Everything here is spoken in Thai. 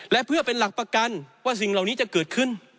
และเพื่อเป็นหลักประกันว่าสิ่งเหล่านี้จะเกิดขึ้น